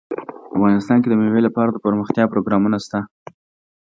افغانستان کې د مېوې لپاره دپرمختیا پروګرامونه شته.